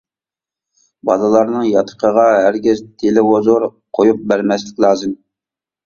بالىلارنىڭ ياتىقىغا ھەرگىز تېلېۋىزور قويۇپ بەرمەسلىك لازىم.